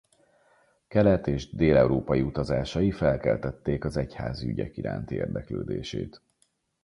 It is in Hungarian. Kelet- és dél-európai utazásai felkeltették az egyházi ügyek iránti érdeklődését.